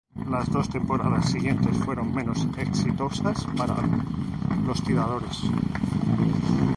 Las dos temporadas siguientes fueron menos exitosas para "Los Tiradores".